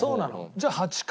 じゃあ８か。